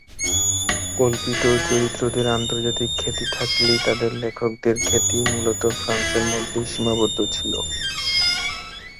কল্পিত চরিত্রদের আন্তর্জাতিক খ্যাতি থাকলেও তাদের লেখকদের খ্যাতি মূলত ফ্রান্সের মধ্যেই সীমাবদ্ধ ছিল।